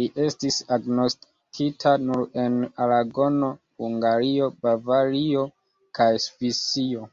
Li estis agnoskita nur en Aragono, Hungario, Bavario kaj Svisio.